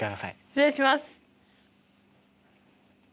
失礼します。